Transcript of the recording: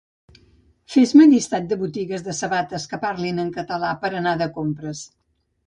Fes-me llistat de botigues de sabates que parlin en català per anar de compres